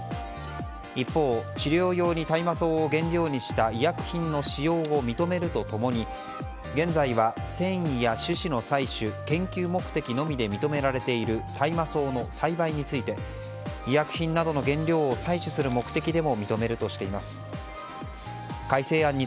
一方、治療用に大麻草を原料にした医薬品の使用を認めると共に現在は繊維や種子の採取研究目的のみで認められている大麻草の栽培について忙しいと胃にくるでしょ。